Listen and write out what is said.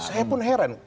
saya pun heran